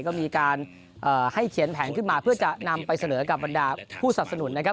ก็มีการให้เขียนแผนขึ้นมาเพื่อจะนำไปเสนอกับบรรดาผู้สับสนุนนะครับ